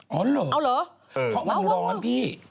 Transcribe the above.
อ๋อเหรอเพราะวันร้อนพี่